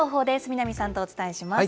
南さんとお伝えします。